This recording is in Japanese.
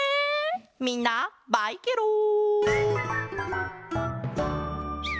みんなバイケロン！